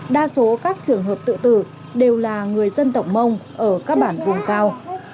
đa số các trường hợp tự tử đều là người dân tộc mông ở các bản vùng cao